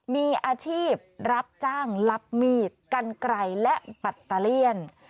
มีอาชีพรับจ้างรับมีดกันไกลและแบตเตอเลี่ยน